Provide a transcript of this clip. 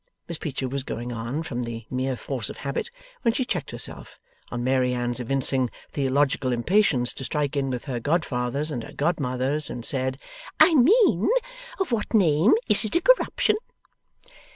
Miss Peecher was going on, from the mere force of habit, when she checked herself; on Mary Anne's evincing theological impatience to strike in with her godfathers and her godmothers, and said: 'I mean of what name is it a corruption?